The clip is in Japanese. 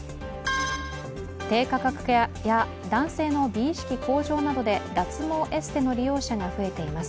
低価格化や男性の美意識向上などで脱毛エステの利用者が増えています。